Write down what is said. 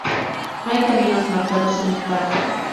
No hay caminos marcados en el parque.